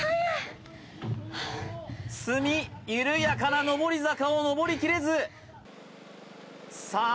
鷲見ゆるやかな上り坂を上りきれずさあ